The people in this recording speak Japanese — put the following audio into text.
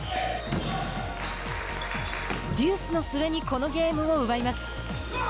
デュースの末にこのゲームを奪います。